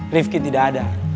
rifki tidak ada